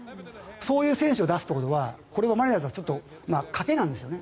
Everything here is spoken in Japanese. そういう選手を出すということはこれをマリナーズはだから、賭けなんでしょうね。